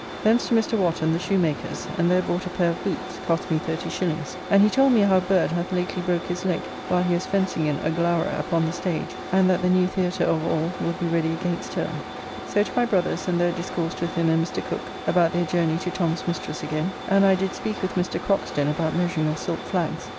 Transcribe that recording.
Thence to Mr. Wotton, the shoemaker's, and there bought a pair of boots, cost me 30s., and he told me how Bird hath lately broke his leg, while he was fencing in "Aglaura," upon the stage, and that the new theatre of all will be ready against term. So to my brother's, and there discoursed with him and Mr. Cooke about their journey to Tom's mistress again, and I did speak with Mr. Croxton about measuring of silk flags.